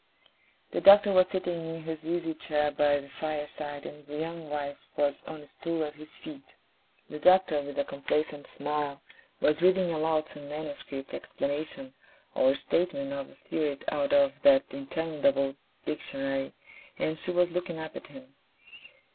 The Doctor was sitting in his easy chair by the fireside, and his young wife was on a stool at his feet. The Doctor, with a complacent smile, was reading aloud some manuscript explanation or statement of a theory out of that interminable Dictionary, and she was looking up at him.